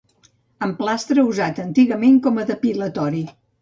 Emplastre usat antigament com a depilatori.